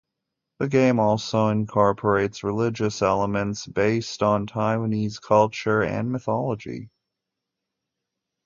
The game also incorporates religious elements based on Taiwanese culture and mythology.